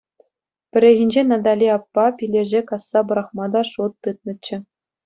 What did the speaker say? Пӗррехинче Натали аппа пилеше касса пӑрахма та шут тытнӑччӗ.